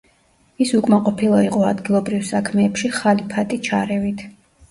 ის უკმაყოფილო იყო ადგილობრივ საქმეებში ხალიფატი ჩარევით.